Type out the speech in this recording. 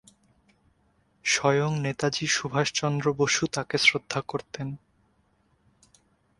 স্বয়ং নেতাজী সুভাষচন্দ্র বসু তাকে শ্রদ্ধা করতেন।